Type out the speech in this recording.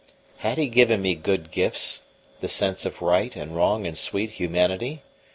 Had He given me good gifts the sense of right and wrong and sweet humanity?